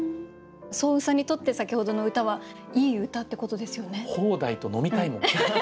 双雲さんにとって先ほどの歌はいい歌ってことですよね？